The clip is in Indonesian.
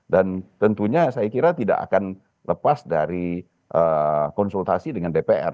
dan tentunya saya kira tidak akan lepas dari konsultasi dengan dpr